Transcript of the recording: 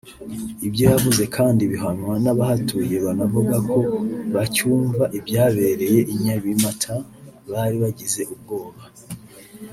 Ibyo yavuze kandi bihamywa n’abahatuye banavuga ko bacyumva ibyabereye i Nyabimata bari bagize ubwoba